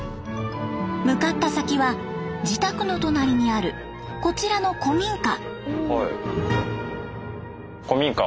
向かった先は自宅の隣にあるこちらの古民家。